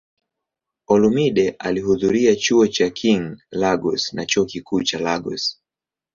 Olumide alihudhuria Chuo cha King, Lagos na Chuo Kikuu cha Lagos.